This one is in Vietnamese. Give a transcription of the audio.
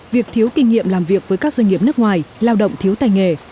việc thiếu kinh nghiệm làm việc với các doanh nghiệp nước ngoài lao động thiếu tài nghề